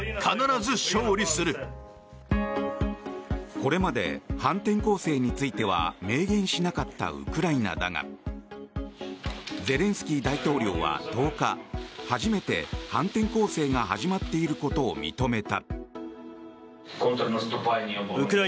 これまで反転攻勢については明言しなかったウクライナだがゼレンスキー大統領は１０日初めて反転攻勢が始まっていることを認めた。